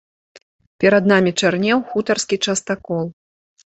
Перад намі чарнеў хутарскі частакол.